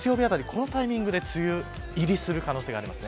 このタイミングで梅雨入りする可能性があります。